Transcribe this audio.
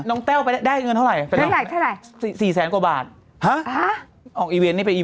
น้องแต้วได้เงินเท่าไหร่